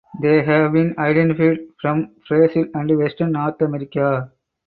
They have been identified from Brazil and western North America.